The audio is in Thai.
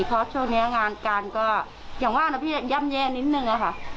เพราะช่วงนี้งานการก็อย่างว่านะพี่ย่ำแย่นิดนึงอะค่ะ